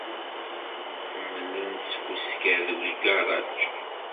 Nḥemmel ad nesfusker deg ugaṛaj.